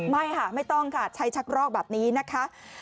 ไม่ค่ะไม่ต้องค่ะใช้ชักรอกแบบนี้นะคะ